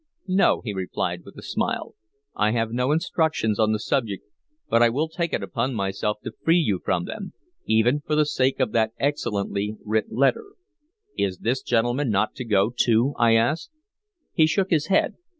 "No," he replied, with a smile. "I have no instructions on the subject, but I will take it upon myself to free you from them, even for the sake of that excellently writ letter." "Is not this gentleman to go too?" I asked. He shook his head.